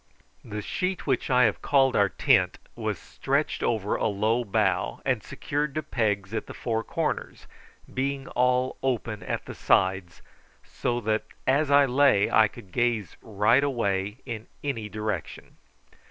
The sheet which I have called our tent was stretched over a low bough, and secured to pegs at the four corners, being all open at the sides, so that as I lay I could gaze right away in any direction.